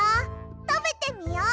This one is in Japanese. たべてみよう。